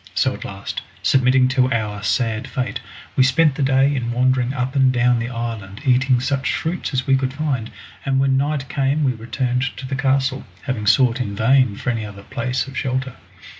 So at last, submitting to our sad fate, we spent the day in wandering up and down the island eating such fruits as we could find, and when night came we returned to the castle, having sought in vain for any other place of shelter.